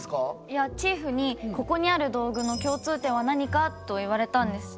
いやチーフに「ここにある道具の共通点は何か？」と言われたんです。